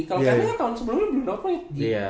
kalo kelvin kan tahun sebelumnya belum doplet